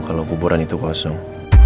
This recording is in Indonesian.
kalau kuburan itu kosong